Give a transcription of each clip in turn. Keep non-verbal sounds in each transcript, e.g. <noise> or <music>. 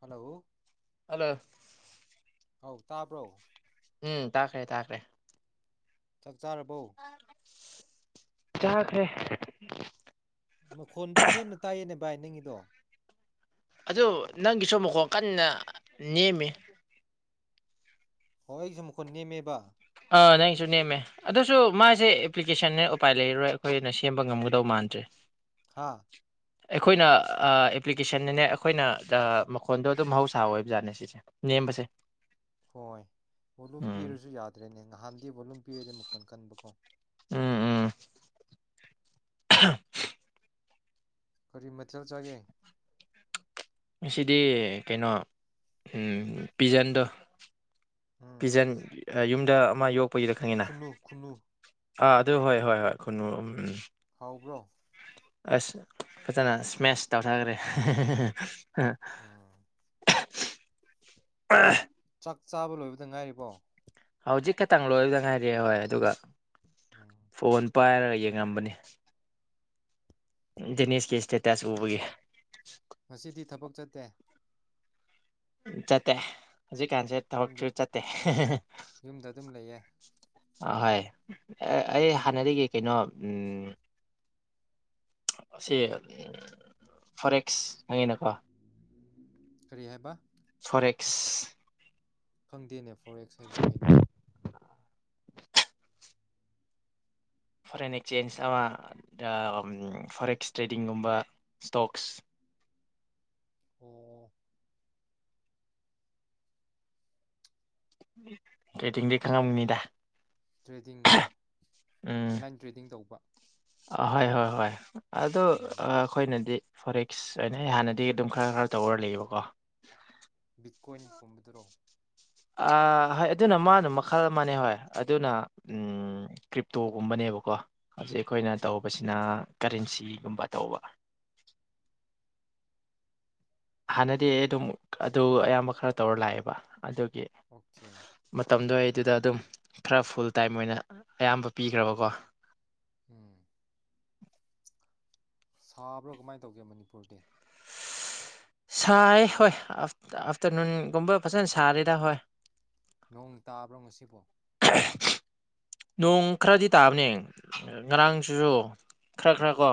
Hello hello ꯑꯧ ꯇꯥꯕ꯭ꯔꯣ ꯎꯝ ꯇꯥꯈ꯭ꯔꯦ ꯊꯥꯈ꯭ꯔꯦ ꯞ ꯆꯥꯔꯕꯧ ꯆꯈꯦ ꯃꯈꯣꯟꯗꯨ ꯅꯦꯝꯅ ꯇꯥꯏꯌꯦꯅꯦ ꯚꯥꯏ ꯅꯪꯒꯤꯗꯣ ꯑꯗꯨ ꯅꯪꯒꯤꯁꯨ ꯃꯈꯣꯡ ꯀꯟꯅ ꯅꯦꯝꯃꯤ ꯍꯣꯏ ꯑꯩꯁꯨ ꯃꯈꯨꯣꯟ ꯅꯦꯝꯃꯦꯕ ꯑꯥ ꯅꯪꯁꯨ ꯅꯦꯝꯃꯦ ꯑꯗꯨꯁꯨ ꯃꯥꯁꯦ ꯑꯦꯄ꯭ꯂꯤꯀꯦꯁꯟꯅ ꯎꯄꯥꯏ ꯂꯩꯔꯔꯣꯏ ꯑꯩꯈꯣꯏꯅ ꯁꯦꯝꯕ ꯉꯝꯒꯗꯧ ꯃꯥꯟꯗ꯭ꯔꯦ ꯍꯥꯥ ꯑꯩꯈꯣꯏꯅ ꯑꯦꯄ꯭ꯂꯤꯀꯦꯁꯟꯅꯅꯦ ꯑꯩꯈꯣꯏꯅ ꯃꯈꯣꯟꯗꯣ ꯑꯗꯨꯝ ꯃꯍꯧꯁꯥ ꯍ ꯑꯣꯏ ꯕꯖꯥꯠꯅꯦ ꯁꯤꯁꯦ ꯅꯦꯝꯕꯁꯦ ꯍꯣꯏ ꯄꯣꯂꯨꯝ ꯎꯝ ꯄꯤꯔꯁꯨ ꯌꯥꯗꯦ ꯅꯍꯥꯟꯗꯤ ꯚꯣꯂꯨꯝ ꯄꯤꯔꯗꯤ ꯃꯈꯣꯟ ꯀꯟꯕ ꯀꯣ ꯎꯝ ꯎꯝ ꯀꯔꯤ ꯃꯊꯦꯜ ꯆꯒꯦ ꯉꯗꯤ ꯀꯩꯅꯣ ꯄꯤꯖꯟꯗꯣ ꯎꯝ ꯄꯤꯖꯟ ꯌꯨꯝꯗ ꯑꯃ ꯌꯣꯛ ꯈꯨꯟꯅꯨ ꯈꯨꯟꯅꯨ ꯑꯥ ꯑꯗꯨ ꯍꯣꯏ ꯍꯣꯏ ꯍꯣꯏ ꯈꯨꯅꯨꯝ ꯎꯝ ꯍꯥꯎꯕ꯭ꯔꯣ ꯑꯁ ꯐꯖꯅ ꯁꯃꯦꯁ ꯇꯎꯊꯈ꯭ꯔꯦ ꯎꯝ ꯆꯥꯛ ꯆꯥꯕ ꯂꯣꯏꯕꯗ ꯉꯥꯏꯔꯤꯕꯣ ꯍꯧꯖꯤꯛ ꯈꯛꯇꯪ ꯂꯣꯏꯕꯗ ꯉꯥꯏꯔꯑꯦ ꯍꯣꯏ ꯑꯗꯨꯒ ꯎꯝ ꯐꯣꯟ ꯄꯥꯏꯔꯒ ꯌꯦꯡꯉꯝꯕꯅꯤ ꯗꯦꯁ ꯀ ꯏꯁ ꯉꯁꯤꯗꯤ ꯊꯕꯛ ꯆꯠ ꯆꯠꯇꯦ ꯆꯠꯇꯦ ꯍꯧꯖꯤꯛꯀꯥꯟꯁꯦ ꯌꯨꯝꯗ ꯊꯕꯛꯁꯨ ꯆꯠꯇꯦ ꯌꯨꯝꯗ ꯑꯗꯨꯝ ꯂꯩꯌꯦ ꯑꯍꯣꯏ ꯑꯩ ꯍꯥꯟꯅꯗꯒꯤ ꯀꯩꯅꯣ ꯎꯝ ꯑꯁꯤ ꯐꯣꯔꯦꯛꯁ ꯈꯪꯉꯤꯅꯀꯣ ꯀꯔꯤ ꯍꯥꯏꯕ ꯐꯣꯔꯦꯛꯁ ꯈꯪꯗꯦꯅꯦ ꯐꯣꯔ ꯑꯦꯛꯁ ꯍꯥꯏꯕꯁꯤ ꯀꯩꯅꯣ ꯐꯣꯔꯦꯟ ꯑꯦꯛꯆꯦꯟꯖ ꯑꯃ ꯐꯣꯔꯦꯛꯁ ꯇ꯭ꯔꯦꯗꯤꯡꯒꯨꯝꯕ ꯏꯁꯇꯣꯛꯁ ꯑꯣ ꯀꯩꯇꯤꯡꯗꯤ ꯈꯪꯉꯝꯅꯤꯗ ꯇ꯭ꯔꯦꯗꯤꯡ ꯀꯣ ꯎꯝ ꯑꯣꯟꯂꯥꯏꯟ ꯇ꯭ꯔꯦꯗꯤꯡ ꯇꯧꯕ ꯍꯣꯏ ꯍꯣꯏ ꯍꯣꯏ ꯑꯗꯨ ꯎꯝ ꯑꯩꯈꯣꯏꯅꯗꯤ ꯐꯣꯔꯦꯛꯛꯁ ꯍꯥꯏ ꯑꯣꯏꯅ ꯍꯥꯟꯅꯗꯤ ꯑꯗꯨꯝ ꯈꯔ ꯈꯔ ꯇꯧꯔꯔ ꯂꯩꯌꯦꯕꯀꯣ ꯕꯤꯠꯀꯣꯏꯟ ꯄꯨꯝꯕꯗꯨꯔꯣ ꯍꯣꯏ ꯑꯗꯨꯅ ꯃꯥꯅ ꯃꯈꯜ ꯑꯃꯅꯦ ꯍꯣꯏ ꯑꯗꯨꯅ ꯀ꯭ꯔꯤꯞꯇꯣꯒꯨꯝꯕꯅꯦꯕꯀꯣ ꯍꯧꯖꯤꯛ ꯑꯩꯈꯣꯏꯅ ꯎꯝ ꯇꯧꯕꯁꯤꯅ ꯀꯔꯦꯟꯁꯤꯒꯨꯝꯕ ꯇꯧꯕ ꯍꯥꯟꯅꯗꯤ ꯑꯩ ꯑꯗꯨꯝ ꯑꯗꯨ ꯑꯌꯥꯝꯕ ꯈꯔ ꯇꯧꯔ ꯂꯥꯛꯑꯦꯕ ꯑꯗꯨꯒꯤ ꯑꯣꯀꯦ ꯃꯇꯝꯗꯣ ꯑꯩꯗꯨꯗ ꯑꯗꯨꯝ ꯈꯔ ꯐꯨꯜ ꯇꯥꯏꯝ ꯑꯣꯏꯅ ꯑꯌꯥꯝꯕ ꯎꯝ ꯄꯤꯈ꯭ꯔꯕꯀꯣ ꯎꯝ ꯁꯥꯕ꯭ꯔꯥ ꯀꯃꯥꯏꯅ ꯇꯧꯒꯦ ꯃꯅꯤꯄꯨꯔꯗꯤ ꯁꯥꯏ ꯍꯣꯏ ꯑꯐꯇꯔꯅꯨꯟꯒꯨꯝꯕ ꯐꯖꯅ ꯁꯥꯔꯦꯗ ꯍꯣꯏ ꯅꯣꯡ ꯇꯥꯕ꯭ꯔꯣ ꯉꯁꯤꯕꯣ <unintelligible> ꯅꯣꯡ ꯈꯔꯗꯤ ꯇꯥꯕꯅꯦ ꯉꯔꯥꯡꯁꯤꯁꯨ ꯈꯔ ꯈꯔ ꯀꯣ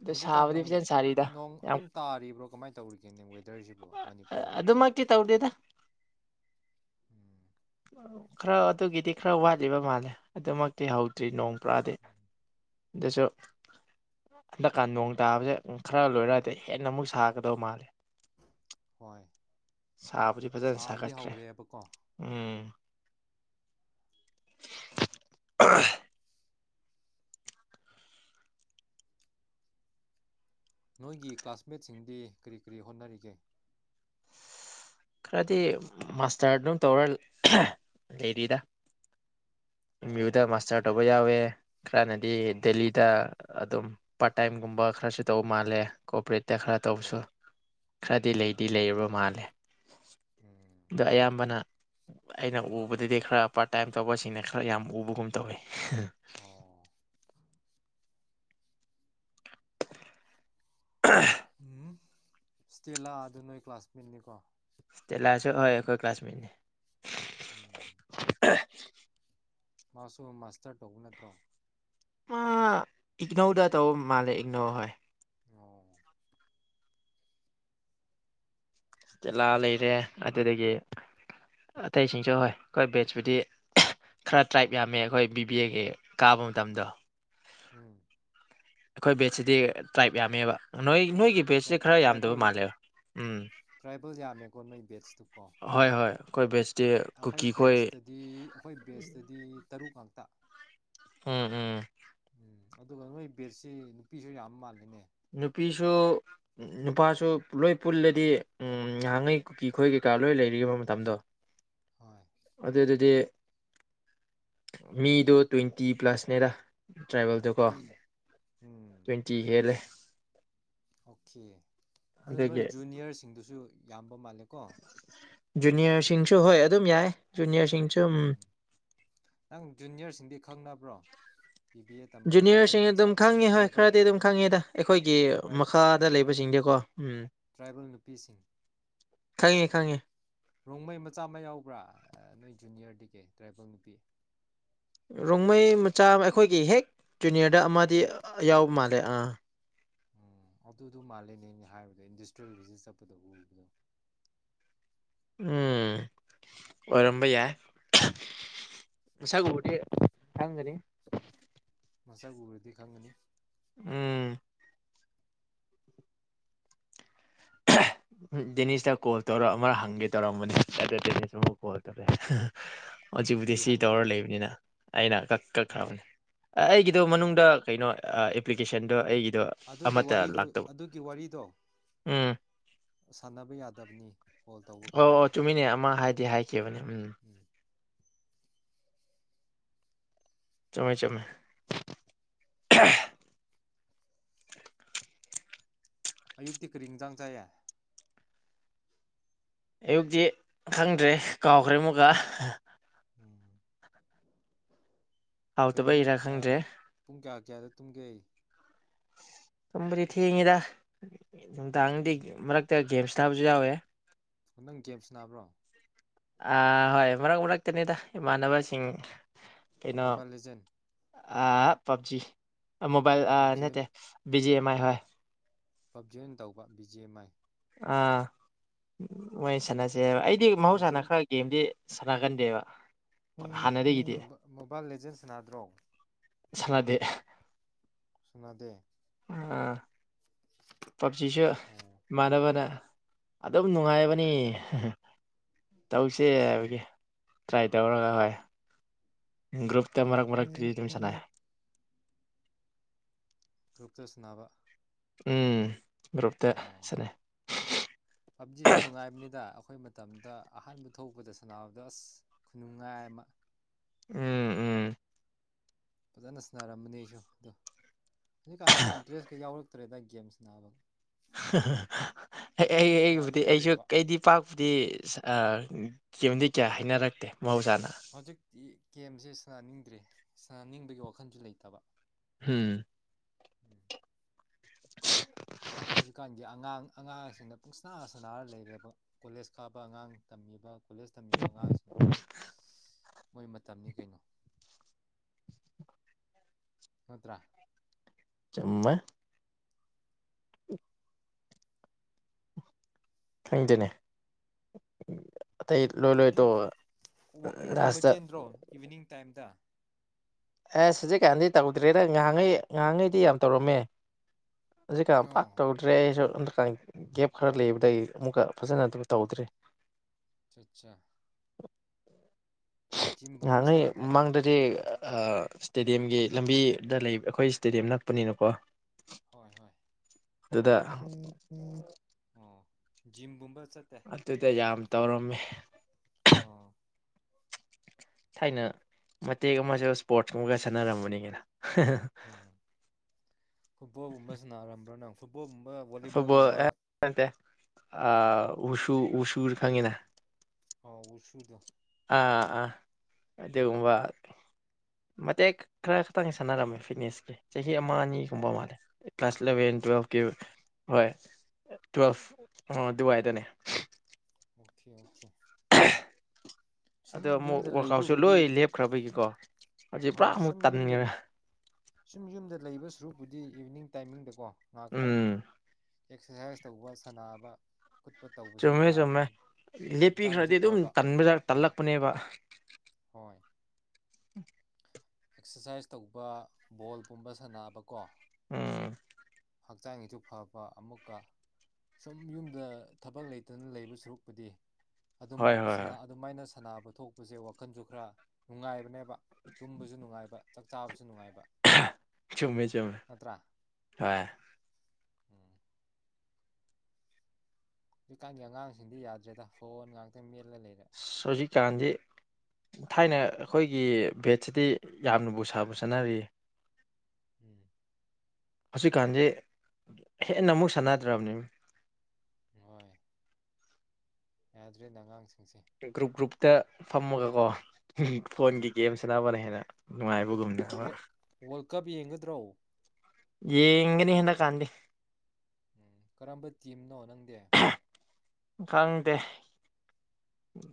ꯑꯗꯨ ꯍꯧꯖꯤꯛꯀꯥꯟ ꯁꯥꯕꯗꯤ ꯐꯖꯅ ꯁꯥꯔꯤꯗ ꯅꯣꯡ ꯌꯥꯝ ꯑꯗꯨꯝ ꯇꯥꯔꯤꯕ꯭ꯔꯣ ꯀꯃꯥꯏꯅ <unintelligible> ꯗꯔꯁꯤꯕꯨ ꯑ- ꯃꯅꯤꯄꯨꯔꯒꯤ ꯑꯗꯨꯃꯛꯇꯤ ꯇꯧꯗꯦꯗ ꯎꯝ ꯈꯔ ꯑꯗꯨꯒꯤꯗꯤ ꯈꯔ ꯋꯥꯠꯂꯤꯕ ꯃꯥꯜꯂꯦ ꯑꯗꯨꯃꯛꯇꯤ ꯍꯧꯗ꯭ꯔꯤ ꯅꯣꯡ ꯄꯨꯔꯥꯗꯤ ꯑꯗꯨꯁꯨ ꯍꯟꯗꯛꯀꯥꯟ ꯅꯣꯡ ꯇꯥꯕꯁꯦ ꯈꯔ ꯂꯣꯏꯔꯛꯗꯤ ꯍꯦꯟꯅ ꯑꯃꯨꯛ ꯁꯥꯒꯗꯕ ꯃꯥꯜꯂꯦ ꯍꯣꯏ ꯁꯥꯕꯨꯗꯤ ꯐꯖꯅ ꯁꯥꯕꯗꯤ ꯁꯥꯒꯠꯈ꯭ꯔꯦ ꯍꯧꯔꯦꯕꯀꯣ ꯎꯝ <unintelligible> ꯅꯣꯏꯒꯤ ꯀ꯭ꯂꯥꯁꯃꯦꯠꯁꯤꯡꯗꯤ ꯀꯔꯤ ꯀꯔꯤ ꯍꯣꯠꯅꯔꯤꯒꯦ ꯈꯔꯗꯤ ꯃꯥꯁꯇꯔ ꯑꯗꯨꯝ ꯇꯧꯔ ꯂꯩꯔꯤꯗ ꯑꯝ ꯌꯨꯗ ꯑꯣ ꯃꯥꯁꯇꯔ ꯇꯣꯕ ꯌꯥꯎꯋꯦ <inaudible> ꯈꯔꯅꯗꯤ ꯑꯥ ꯗꯦꯜꯂꯤꯗ ꯑꯗꯨꯝ ꯄꯥꯔꯠ ꯇꯥꯏꯝꯒꯨꯝꯕ ꯈꯔꯁꯨ ꯇꯧꯕ ꯃꯥꯜꯂꯦ ꯀꯣꯄꯔꯦꯠꯇ ꯈꯔ ꯑꯣꯀꯦ ꯇꯧꯕꯁꯨ ꯈꯔꯗꯤ ꯑꯣ ꯂꯩꯗꯤ ꯂꯩꯔꯕ ꯃꯥꯜꯂꯦ ꯎꯝ ꯑꯗꯨ ꯑꯌꯥꯝꯕꯅ ꯑꯩꯅ ꯎꯕꯗꯗꯤ ꯈꯔ ꯄꯥꯔꯠ ꯇꯥꯏꯝ ꯇꯧꯕꯁꯤꯡꯅ ꯈꯔ ꯌꯥꯝ ꯎꯕꯒꯨꯝ ꯇꯧꯋꯤ ꯑꯣ ꯑ <unintelligible> ꯎꯝ ꯏꯁꯇ꯭ꯔꯤꯂꯥ ꯗꯨ ꯅꯣꯏ ꯀ꯭ꯂꯥꯁꯃꯦꯠꯅꯤꯀꯣ ꯏꯁꯇꯦꯂꯥꯑꯁꯨ ꯍꯣꯏ ꯑꯩꯈꯣꯏ ꯀ꯭ꯂꯥꯁꯃꯦꯠꯅꯤ ꯎꯝ <inaudible> ꯃꯥꯁꯨ ꯃꯥꯁꯇꯔ ꯇꯧꯕ ꯅꯠꯇ꯭ꯔꯣ ꯃꯥ ꯏꯒꯅꯧꯗ ꯇꯧꯕ ꯃꯥꯜꯂꯦ ꯏꯒꯅꯧ ꯍꯣꯏ ꯑꯣ ꯇꯤꯂꯥ ꯂꯩꯔꯦ ꯑꯗꯨꯗꯒꯤ ꯑꯇꯩꯁꯤꯡꯁꯨ ꯍꯣꯏ ꯑꯩꯈꯣꯏ ꯕꯦꯖꯄꯨꯗꯤ ꯈꯔ ꯇ꯭ꯔꯥꯏꯞ ꯌꯥꯝꯃꯦ ꯑꯩꯈꯣꯏ ꯕꯤꯕꯤ ꯑꯦꯒꯤ ꯀꯥꯕ ꯃꯇꯝꯗꯣ ꯎꯝ ꯑꯩꯈꯣꯏ ꯕꯦꯠꯁꯤꯗꯤ ꯇ꯭ꯔꯥꯏꯞ ꯌꯥꯝꯃꯦꯕ ꯅꯣꯏ ꯅꯣꯏꯒꯤ ꯕꯦꯁꯁꯦ ꯈꯔ ꯌꯥꯝꯗꯕ ꯇ꯭ꯔꯥꯏꯕꯦꯜ ꯃꯥꯜꯂꯦꯕ ꯎꯝ <unintelligible> ꯀ ꯍꯣꯏ ꯍꯣꯏ ꯑꯩꯈꯣꯏ ꯕꯦꯁꯇꯤ ꯑꯩꯈꯣꯏ ꯀꯨꯀꯤ ꯈꯣꯏ ꯕꯦꯠꯁꯇꯗꯤ ꯑꯩꯈꯣꯏ ꯕꯦꯠꯁꯇꯗꯤ ꯇꯔꯨꯛ ꯉꯥꯛꯇ ꯎꯝ ꯎꯝ ꯎꯝ ꯑꯗꯨꯒ ꯅꯣꯏ ꯕꯦꯠꯁꯤ ꯅꯨꯄꯤꯁꯨ ꯌꯥꯝ ꯃꯥꯜꯂꯤꯅꯦ ꯅꯨꯄꯤꯁꯨ ꯅꯨꯄꯥꯁꯨ ꯂꯣꯏ ꯄꯨꯜꯂꯗꯤ ꯉꯍꯥꯟꯉꯩ ꯀꯨꯀꯤ ꯈꯈꯣꯏ ꯀꯩꯀꯥ ꯂꯣꯏ ꯂꯩꯔꯤꯕ ꯃꯇꯝꯗꯣ ꯍꯣꯏ ꯑꯗꯨꯗꯨꯗꯤ ꯃꯤꯗꯣ ꯇ꯭ꯋꯦꯟꯇꯤ ꯄ꯭ꯂꯁꯅꯦꯗ ꯇ꯭ꯔꯥꯏꯕꯦꯜꯗꯀꯣ ꯎꯝ ꯇ꯭ꯋꯦꯟꯇꯤ ꯍꯦꯜꯂꯦ ꯑꯣꯀꯦ ꯑꯗꯣ ꯅꯣꯏ ꯖꯨꯅꯤꯌꯔꯁꯤꯡꯗꯨꯁꯨ ꯌꯥꯝ ꯅꯤꯌꯥꯔꯁꯤꯁꯤꯡꯁꯨ ꯍꯣꯏ ꯑꯗꯨꯝ ꯌꯥꯏ ꯆꯨꯟꯌꯥꯁꯤꯡ ꯅꯪ ꯖꯨꯅꯤꯌꯔꯁꯤꯡꯗꯤ ꯈꯪꯅꯕ꯭ꯔꯣ ꯕꯤ ꯕꯤ ꯑꯦ ꯇꯝꯕ ꯇ꯭ꯔꯥꯏꯕꯦꯜ ꯖꯨꯅꯤꯌꯔꯁꯤꯡ ꯃꯆꯥ ꯑꯗꯨꯝ ꯈꯪꯉꯤ ꯍꯣꯏ ꯇ꯭ꯔꯥꯏꯕꯦꯜ ꯈꯔꯗꯤ ꯑꯗꯨꯝ ꯈꯪꯉꯤꯗ ꯑꯩꯈꯣꯏꯒꯤ ꯇ꯭ꯔꯥꯏꯞ ꯃꯈꯥꯗ ꯂꯩꯕꯁꯤꯡꯁꯦ ꯀꯣ ꯎꯝ ꯇ꯭ꯔꯥꯏꯕꯦꯜ ꯅꯨꯄꯤꯁꯤꯡ ꯈꯪꯉꯦ ꯈꯪꯉꯦ ꯔꯣꯡꯃꯩ ꯃꯆꯥ ꯑꯃ ꯌꯥꯎꯕ꯭ꯔꯥ ꯅꯣꯏ ꯖꯨꯅꯤꯌꯔꯗꯒꯤ ꯇ꯭ꯔꯥꯏꯕꯦꯜ ꯅꯨꯄꯤ ꯔꯣꯡꯃꯩ ꯃꯆꯥ ꯑꯩꯈꯣꯏꯒꯤ ꯍꯦꯛ ꯖꯨꯅꯤꯌꯔꯗ ꯑꯃꯗꯤ ꯌꯥꯎꯕ ꯃꯥꯜꯂꯦ ꯑꯥ ꯎꯝ ꯑꯗꯨꯗꯨ ꯃꯥꯜꯂꯦꯅꯦ ꯑꯩꯅ ꯍꯥꯏꯕꯗꯣ ꯏꯟꯗꯁꯇ꯭ꯔꯤꯌꯦꯜ ꯚꯤꯖꯤꯠ ꯆꯠꯄꯗ ꯎꯕꯗꯣ ꯎꯝ ꯑꯣꯏꯔꯝꯕ ꯌꯥꯏ ꯃꯁꯛ ꯎꯔꯗꯤ ꯈꯪꯒꯅꯤ ꯃꯁꯛ ꯎꯔꯗꯤ ꯈꯪꯒꯅꯤ ꯎꯝ ꯗꯦꯅꯤꯁꯇ ꯀꯣꯜ ꯇꯧꯔꯒ ꯑꯃꯔꯛ ꯍꯪꯒꯦ ꯇꯧꯔꯝꯕꯅꯦ ꯑꯗꯨꯗ ꯗꯦꯅꯤꯁ ꯑꯃꯨꯨꯛ ꯀꯣꯜ ꯇꯧꯔꯑꯦ ꯍꯧꯖꯤꯛꯄꯨꯗꯤ ꯀꯔꯤ ꯁꯤ ꯇꯧꯔꯒ ꯍꯪꯒꯗꯧꯕ ꯂꯩꯕꯅꯤꯅ ꯑꯩꯅ ꯀꯛ ꯑꯣ ꯀꯛꯈ꯭ꯔꯕꯅꯦ ꯑꯩꯒꯤꯗꯣ ꯃꯅꯨꯡꯗ ꯑꯣ ꯀꯩꯅꯣ ꯑꯦꯄ꯭ꯂꯤꯀꯦꯁꯟꯗꯣ ꯑꯣ ꯑꯩꯒꯤꯗꯣ ꯑꯗꯨꯒꯤ ꯑꯃꯠꯇ ꯋꯥꯔꯤꯗꯨ ꯂꯥꯛꯇꯧꯕ ꯑꯗꯨꯒꯤ ꯋꯥꯔꯤꯗꯣ ꯎꯝ ꯁꯥꯟꯅꯕ ꯌꯥꯗꯕꯅꯦ ꯀꯣꯜ ꯇꯧꯕ ꯑꯧ ꯑꯧ ꯀꯥꯟꯗꯗꯤ ꯀꯣ ꯆꯨꯝꯃꯤꯅꯦ ꯑꯃ ꯍꯥꯏꯗꯤ ꯍꯥꯏꯈꯤꯕꯅꯦ ꯎꯝ ꯆꯨꯝꯃꯦ-ꯆꯨꯝꯃꯦ ꯑꯌꯨꯛꯇꯤ ꯀꯔꯤ ꯏꯟꯖꯥꯡ ꯆꯥꯏꯌꯦ ꯑꯌꯨꯛꯇꯤ ꯈꯪꯗ꯭ꯔꯦ ꯀꯥꯎꯈ꯭ꯔꯦ ꯑꯃꯨꯛꯀꯥ ꯎꯝ ꯍꯌꯦꯡ ꯍꯥꯎꯇꯕꯩꯔꯥ ꯈꯪꯗ꯭ꯔꯦ ꯄꯨꯡ ꯀꯌꯥ ꯀꯌꯥꯗ ꯇꯨꯝꯒꯦ ꯇꯨꯝꯕꯗꯤ ꯊꯦꯡꯉꯤꯗ ꯅꯨꯡꯗꯥꯡꯗꯤ ꯎꯝ ꯃꯔꯛꯇ ꯒꯦꯝ ꯁꯥꯟꯅꯕꯁꯨ ꯌꯥꯎꯋꯦ ꯅꯪ ꯒꯦꯝ ꯁꯥꯟꯅꯕ꯭ꯔꯣ ꯑ ꯍꯣꯏ ꯃꯔꯛ ꯃꯔꯛꯇꯅꯤꯗ ꯏꯃꯥꯟꯅꯕꯁꯤꯡ ꯃꯣꯕꯥꯏꯜ ꯂꯤꯖꯦꯟ ꯑ ꯄꯞꯖꯤ ꯃꯣꯕꯥꯏꯜ ꯑ ꯄꯞꯖꯤ ꯅꯠꯇꯦ ꯑꯣꯏꯅ ꯕꯤ ꯖꯤ ꯑꯦꯝ ꯥꯍꯣꯏ ꯍꯣꯏ ꯄꯞꯖꯤ ꯑꯣꯏꯅ ꯇꯧꯕ ꯕꯤ ꯖꯦ ꯑꯦꯝ ꯑꯥꯏ ꯑꯥ ꯁꯥꯟꯅꯁꯦꯕ ꯑꯩꯗꯤ ꯃꯍꯧꯁꯥꯅ ꯂꯦꯖꯦꯟ ꯈꯔ ꯒꯦꯝꯗꯤ ꯁꯅꯥꯒꯟꯗꯦꯕꯥ ꯃꯣꯕꯥꯏꯜ ꯂꯤꯖꯦꯟ ꯁꯥꯟꯅꯗ꯭ꯔꯣ ꯁꯥꯟꯅꯗꯦ ꯁꯥꯟꯅꯗꯦ ꯑꯥ ꯄꯞꯖꯤꯁꯨ ꯑꯣ ꯏꯃꯥꯟꯅꯕꯅ ꯑꯗꯨꯝ ꯅꯨꯡꯉꯥꯏꯕꯅꯤ ꯇꯧꯁꯦ ꯍꯥꯏꯕꯒꯤ ꯇ꯭ꯔꯥꯏ ꯇꯧꯔꯒ ꯍꯣꯏ ꯒ꯭ꯔꯨꯞ ꯃꯔꯛ ꯃꯔꯛ ꯇꯔꯤ ꯇꯃꯤꯁꯅ ꯎꯝ ꯀꯣꯛꯆ ꯁꯟꯅꯕ ꯎꯝ ꯒ꯭ꯔꯨꯞꯇ ꯑꯣ ꯁꯥꯟꯅꯩ ꯄꯞꯖꯤꯁꯤ ꯅꯨꯡꯉꯥꯏꯕꯅꯤꯗ ꯑꯩꯈꯣꯏ ꯃꯇꯝꯗ ꯑꯍꯥꯟꯕ ꯊꯣꯛꯄꯗ ꯁꯥꯟꯅꯕꯗ ꯑꯁ ꯈꯨꯅꯨꯡꯉꯥꯏ ꯑꯃ ꯎꯝ ꯎꯝ ꯐꯖꯅ ꯁꯅꯔꯝꯕꯅꯤ ꯑꯩꯁꯨ ꯑꯗꯣ ꯍꯧꯖꯤꯀꯥꯟꯗꯤꯟ ꯗ꯭ꯔꯦꯁ ꯀꯌꯥ ꯌꯥꯎꯔꯛꯇꯦ ꯇ꯭ꯔꯦꯗ ꯒꯦꯝꯁ ꯅꯥꯕ ꯑꯩ ꯑꯩꯕꯨꯗꯤ ꯑꯩꯁꯨ ꯁꯥꯟꯅꯅꯤꯡꯗ꯭ꯔꯦꯕ ꯀꯩꯗꯤ ꯄꯥꯛꯄꯨꯗꯤ ꯆꯦꯝꯗꯤ ꯀꯌꯥ ꯍꯥꯏꯅꯔꯛꯇꯦ ꯍꯧꯖꯤꯛꯇꯤ ꯒꯦꯝꯁꯦ ꯁꯥꯟꯅꯅꯤꯡꯗ꯭ꯔꯦ ꯁꯥꯟꯅꯅꯤꯡꯕꯒꯤ ꯋꯥꯈꯟꯁꯨ ꯂꯩꯇꯕ ꯍꯝ ꯑꯉꯥꯡꯁꯤꯡꯗ ꯄꯨꯡꯁꯅꯥꯁꯥꯟꯅꯥꯔ ꯂꯩꯔꯦꯕ ꯀꯣꯂꯦꯖ ꯀꯥꯕ ꯑꯉꯥꯡ ꯇꯝꯃꯤꯕ ꯀꯣꯂꯦꯖ ꯇꯝꯃꯤꯕ ꯑꯉꯥꯡꯁꯤꯡꯅ ꯃꯣꯏ ꯃꯇꯝꯅꯤ ꯀꯩꯅꯣ ꯈꯠꯇ꯭ꯔꯥ ꯆꯨꯝꯃꯦ ꯈꯪꯗꯅꯦ ꯋꯥꯛꯀꯤꯡ ꯋꯥꯛꯀꯤꯡꯒꯨꯝꯕ ꯂꯥꯁꯇ ꯆꯦꯟꯗ꯭ꯔꯣ ꯏꯚꯤꯅꯤꯡ ꯇꯥꯏꯝꯗ ꯑꯦꯁ ꯍꯧꯖꯤꯛꯀꯥꯟꯗꯤ ꯇꯧꯗ꯭ꯔꯦꯗ ꯉꯥꯏꯍꯥꯛꯉꯩ ꯉꯥꯏꯍꯥꯛꯉꯩꯗꯤ ꯌꯥꯝ ꯇꯧꯔꯝꯃꯦ ꯍꯧꯖꯤ ꯀꯟ ꯄꯥꯛ ꯑꯣ ꯇꯧꯗ꯭ꯔꯦ ꯑꯩꯁꯨ ꯒꯦꯞ ꯈꯔ ꯂꯩꯕꯗꯒꯤ ꯑꯃꯨꯛꯀ ꯐꯖꯅ ꯑꯗꯨꯝ ꯇꯧꯗ꯭ꯔꯤ ꯑ ꯑꯆꯥ ꯉꯍꯥꯟꯉꯩ ꯁꯥꯟꯅꯗꯦ ꯃꯃꯥꯡꯗꯗꯤ ꯏꯁꯇꯦꯗꯤꯌꯝꯒꯤ ꯂꯝꯕꯤꯗ ꯂꯩ ꯑꯩꯈꯣꯏ ꯏꯁꯇꯦꯗꯤꯌꯝ ꯅꯛꯄꯅꯤꯅꯀꯣ ꯍꯣꯏ ꯍꯣꯏ ꯑꯗꯨꯗ ꯎꯝ ꯎꯝ ꯖꯤ ꯕꯨꯨꯝꯕꯥꯁ ꯑ ꯇꯨ ꯇꯖꯝ ꯇꯧꯔꯝꯃꯤ ꯑꯥ ꯊꯥꯏꯅ ꯃꯇꯦꯛ ꯑꯃꯁꯨ ꯏꯁꯄꯣꯔꯠꯁ ꯀꯨꯝꯕꯒ ꯁꯥꯟꯅꯔꯝꯕꯅꯤ ꯀꯩꯅ‌ꯣ ꯎꯝ ꯐꯨꯠꯕꯣꯜꯒꯨꯝꯕ ꯁꯅꯔꯝ ꯕꯔꯥ ꯅꯪ꯫ ꯐꯨꯠꯕꯣꯜꯒꯨꯝꯕ ꯐꯨꯠꯕꯣꯜ ꯚꯣꯂꯤꯕꯣꯜꯒꯨꯝꯕ ꯑ ꯅꯠꯇꯦ ꯑ ꯎꯁꯨ ꯎꯁꯨꯔ ꯈꯪꯉꯤꯅ ꯍꯥꯎ ꯎ ꯁꯨꯗ ꯑꯥ ꯑꯥ ꯑꯗꯨꯒꯨꯝꯕ ꯃꯇꯦꯛ ꯈꯔ ꯈꯇꯪ ꯁꯥꯟꯅꯔꯝꯃꯦ ꯐꯤꯠꯅꯦꯁ ꯆꯍꯤ ꯑꯃ ꯑꯅꯤꯒꯨꯝꯕ ꯃꯥꯜꯂꯦ ꯑꯣ ꯀ꯭ꯂ ꯏꯂꯚꯦꯟ ꯇꯨꯋꯦꯜꯐꯀꯤ ꯍꯣꯏ ꯇꯨꯋꯦꯜꯐ ꯗꯨꯕꯥꯏꯗꯅꯦ ꯑꯣꯀꯦ ꯑꯣꯀꯦ ꯁꯨꯝ ꯑꯗꯣ ꯑꯃꯨꯛ ꯌꯨꯝꯗ ꯋꯔꯥꯛꯀꯥꯎꯠꯁꯨ ꯂꯩꯕꯕꯨꯗꯤ ꯂꯣꯏ ꯂꯦꯞꯈ꯭ꯔꯕꯒꯤꯀꯣ ꯍꯧꯖꯤꯛ ꯄꯨꯔꯥ ꯍꯣꯏ ꯑꯃꯨꯛ ꯁꯨꯝ ꯌꯨꯝꯗ ꯇꯟꯒꯔꯦ ꯁꯨꯝ ꯌꯨꯝꯗ ꯂꯩꯕ ꯁꯨꯔꯨꯄꯗꯤ ꯏꯚꯅꯤꯡ ꯇꯥꯏꯃꯤꯡꯗ ꯀꯣ ꯂꯥꯛꯇꯪ ꯎꯝ ꯑꯦꯛꯁꯔꯁꯥꯏꯁ ꯇꯧꯕ ꯁꯥꯟꯅꯕ ꯈꯣꯠꯄ ꯇꯧꯕꯁꯤ ꯆꯨꯝꯃꯦ ꯆꯨꯝꯃꯦ ꯅꯨꯡꯉꯥꯏꯕꯅꯤꯅ ꯂꯦꯞꯄꯤ ꯍꯛꯆꯥꯡꯒꯤꯁꯨ ꯈꯔꯗꯤ ꯑꯗꯨꯝ ꯐꯕ ꯎꯝ ꯇꯜꯂꯛꯄꯅꯦꯕ ꯍꯣꯏ ꯑꯦꯛꯁꯔꯁꯥꯏꯁ ꯇꯧꯕ ꯕꯣꯜꯒꯨꯝꯕ ꯁꯥꯟꯅꯕꯀꯣ ꯎꯝ ꯍꯛꯆꯥꯡꯒꯤꯁꯨ ꯐꯕ ꯑꯃꯨꯛꯀ ꯁꯨꯝ ꯌꯨꯝꯗ ꯊꯕꯛ ꯂꯩꯇꯅ ꯂꯩꯕ ꯁꯔꯨꯛꯄꯨꯗꯤ ꯑꯗꯨꯝ ꯍꯣꯏ ꯍꯣꯏ ꯁ ꯍꯣꯏ ꯑꯗꯨꯃꯥꯏꯅ ꯁꯥꯟꯅꯕ ꯊꯣꯛꯄꯁꯦ ꯋꯥꯈꯟꯁꯨ ꯈꯔ ꯅꯨꯡꯉꯥꯏꯕꯅꯦꯕ ꯇꯨꯝꯕꯁꯨ ꯅꯨꯡꯉꯥꯏꯕ ꯆꯥꯛ ꯆꯥꯕꯁꯨ ꯅꯨꯡꯉꯥꯏꯕ ꯆꯨꯝꯃꯦ ꯆꯃꯦ ꯅꯠꯇ꯭ꯔꯥ ꯍꯥ ꯎꯝ ꯍꯧꯖꯤꯛꯀꯥꯟꯒꯤ ꯑꯉꯥꯡꯁꯤꯡꯗꯤ ꯌꯥꯗ꯭ꯔꯦꯗ ꯐꯣꯟ ꯉꯥꯛꯇꯪ ꯍꯧꯖꯤꯛ ꯀꯥꯟꯗꯤ ꯊꯥꯏꯅ ꯑꯩꯈꯣꯏꯒꯤ ꯚꯦꯠꯁꯤꯗꯤ ꯌꯥꯝꯅꯕꯨ ꯁꯥꯕꯨ ꯆꯠꯅꯔꯤꯌꯦ ꯎꯝ ꯍꯧꯖꯤꯛꯀꯥꯟꯁꯦ ꯍꯦꯟꯅ ꯑꯃꯨꯛ ꯁꯥꯟꯅꯗ꯭ꯔꯕꯅꯤ ꯍꯣꯏ ꯌꯥꯗ꯭ꯔꯦꯅꯦ ꯑꯉꯥꯡꯁꯤꯡꯁꯦ ꯒ꯭ꯔꯨꯞ ꯒ꯭ꯔꯨꯞꯇ ꯐꯝꯃꯒ ꯀꯣ ꯍꯣꯏ ꯐꯣꯟꯒꯤ ꯒꯦꯝ ꯆꯂꯅꯕꯅ ꯍꯦꯟꯅ ꯅꯨꯡꯉꯥꯏꯕꯒꯨꯝꯗꯕ ꯗ꯭ꯔꯣ ꯌꯦ ꯏꯅꯤ ꯍꯅ ꯀꯥꯟꯗ ꯎꯝ ꯀꯔꯝꯕ ꯇꯤꯝꯅꯣ ꯅꯪꯗꯤ ꯈꯪꯗꯦ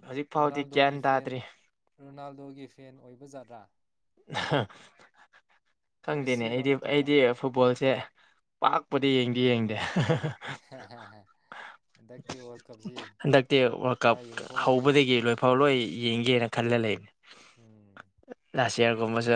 ꯍꯧꯖꯤꯛ ꯐꯥꯎꯗꯤ ꯒ꯭ꯌꯥꯟ ꯔꯣꯅꯥꯜꯗꯣꯒꯤ ꯐꯦꯟ ꯇꯥꯗ꯭ꯔꯤ ꯔꯣꯅꯥꯜꯗꯣꯒꯤ ꯐꯦꯟ ꯑꯣꯏꯕ ꯖꯥꯠꯂꯥ ꯍ꯫ ꯈꯪꯗꯦꯅꯦ ꯃꯦꯁꯤꯔꯣ ꯑꯩꯗꯤ ꯅꯠꯇ꯭ꯔꯒ ꯑꯩꯗꯤ ꯐꯨꯠꯕꯣꯜꯁꯦ ꯄꯥꯛꯄꯗꯤ ꯌꯦꯡꯗꯤ ꯌꯦꯡꯗꯦ꯫ ꯍꯟꯗꯛꯇꯤ ꯋꯥꯔꯜ ꯀꯞꯁꯤ ꯍꯟꯗꯛꯇꯤ ꯋꯥꯔꯜ ꯀꯞ ꯈꯔ ꯌꯦꯡꯊꯣꯛꯎꯍꯩ ꯍꯧꯕꯗꯒꯤ ꯂꯣꯏꯐꯥꯎ ꯂꯣꯏ꯫ ꯌꯦꯡꯒꯦꯅ ꯈꯜꯂ ꯂꯩꯅꯦ꯫ ꯎꯝ꯫ <unintelligible> ꯀꯨꯝꯕꯁꯨ꯫